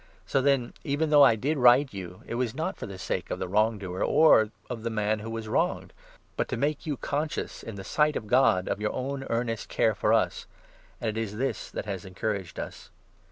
So, then, even 12 though I did write to you, it was not for the sake of the wrong doer, or of the man who was wronged, but to make you conscious, in the sight of God, of your own earnest care for us. And it is this that has encouraged us.